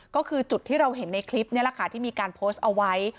ก็คือจุดที่เราเห็นในคลิปนี้แหละค่ะที่มีการโพสต์เอาไว้